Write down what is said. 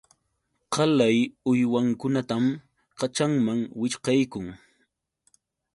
Qalay uywankunatam kaćhanman wićhqaykun.